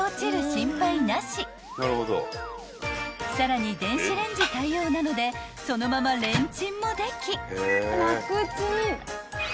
［さらに電子レンジ対応なのでそのままレンチンもでき］